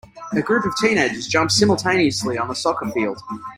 A group of teenagers jump simultaneously on a soccer field.